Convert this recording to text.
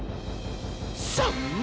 「３！